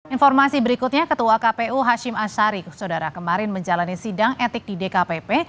informasi berikutnya ketua kpu hashim ashari saudara kemarin menjalani sidang etik di dkpp